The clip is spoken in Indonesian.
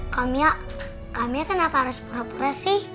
kamiah kamiah kenapa harus pura pura sih